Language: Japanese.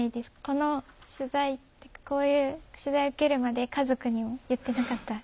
この取材こういう取材受けるまで家族にも言ってなかった。